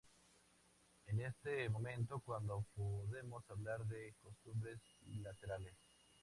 Es en este momento cuando podemos hablar de costumbres bilaterales.